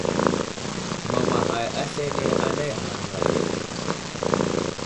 Mamaghay aslane anay ghaŋŋa ve.